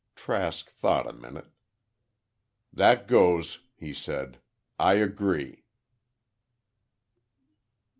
Trask thought a minute. "That goes," he said; "I agree."